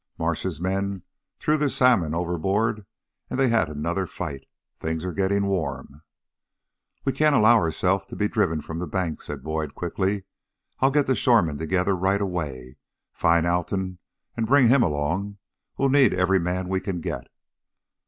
Marsh's men threw their salmon overboard, and they had another fight. Things are getting warm." "We can't allow ourselves to be driven from the banks," said Boyd, quickly. "I'll get the shoremen together right away. Find Alton, and bring him along; we'll need every man we can get."